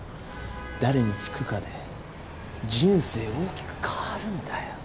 誰につくかで人生大きく変わるんだよ。